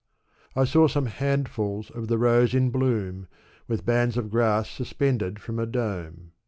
I saw some handfiils of the rose in bloom, With bands of grass suspended from a dome.